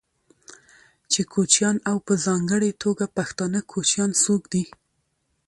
چې کوچيان او په ځانګړې توګه پښتانه کوچيان څوک دي،